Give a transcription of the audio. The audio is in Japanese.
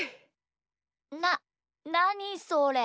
ななにそれ？